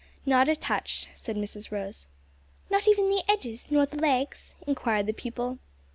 "Not a touch," said Mrs Rose. "Not even the edges, nor the legs?" inquired the pupil.